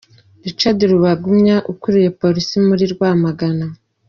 Richard Rubagumya ukuriye polisi muri Rwamagana.